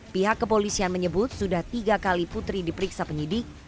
pihak kepolisian menyebut sudah tiga kali putri diperiksa penyidik